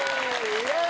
イエイ！